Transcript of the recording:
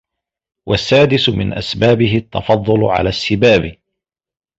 وَالسَّادِسُ مِنْ أَسْبَابِهِ التَّفَضُّلُ عَلَى السِّبَابِ